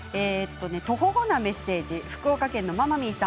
とほほなメッセージ、福岡県の方。